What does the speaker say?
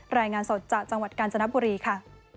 รายงานสดจากจังหวัดกาญจนบุรีค่ะ